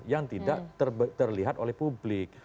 yang tidak terlihat oleh publik